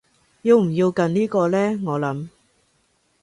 要唔要撳呢個呢我諗